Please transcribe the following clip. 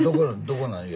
どこなん？